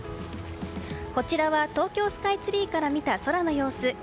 こちらは東京スカイツリーから見た空の様子。